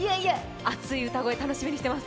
熱い歌声、楽しみにしています。